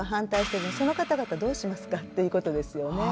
その方々どうしますかっていうことですよね。